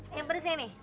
ini yang pedasnya nih